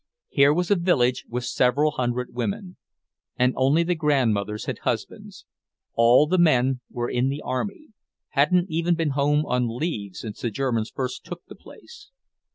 Here was a village with several hundred women, and only the grandmothers had husbands. All the men were in the army; hadn't even been home on leave since the Germans first took the place.